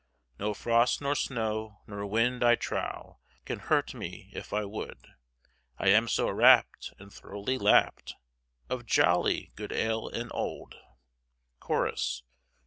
No frost nor snow, nor winde, I trowe, Can hurte mee, if I wolde, I am so wrapt and throwly lapt Of joly good ale and olde. Chorus.